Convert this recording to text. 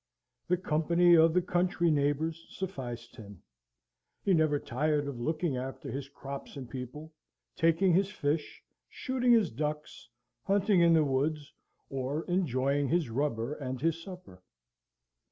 The company of the country neighbours sufficed him; he never tired of looking after his crops and people, taking his fish, shooting his ducks, hunting in his woods, or enjoying his rubber and his supper.